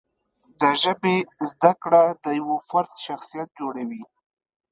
د ژبې زده کړه د یوه فرد شخصیت جوړوي.